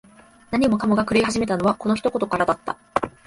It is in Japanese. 何もかもが狂い始めたのは、この一言からだった。